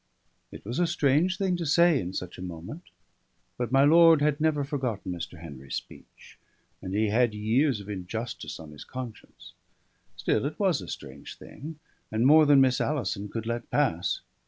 It was a strange thing to say in such a moment; but my lord had never forgotten Mr. Henry's speech, and he had years of injustice on his conscience. Still it was a strange thing, and more than Miss Alison could let pass.